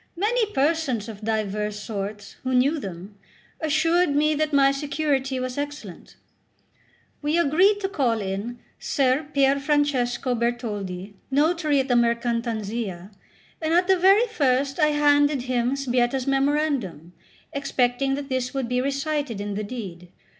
Many persons of divers sorts, who knew them, assured me that my security was excellent. We agreed to call in Ser Pierfrancesco Bertoldi, notary at the Mercantanzia; and at the very first I handed him Sbietta's memorandum, expecting that this would be recited in the deed.